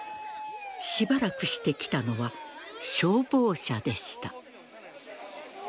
しばらくして来たのは消防車でした。